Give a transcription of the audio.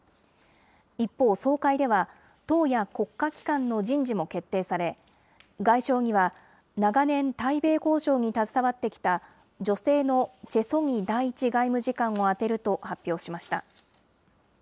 一方、総会では、党や国家機関の人事も決定され、外相には、長年対米交渉に携わってきた、女性のチェ・ソニ第１外務次官をあてると発表しました。